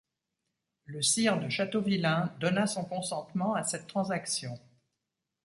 Le sire de Châteauvillain donna son consentement à cette transaction.